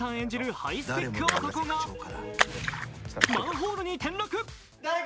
ハイスペック男がマンホールに転落。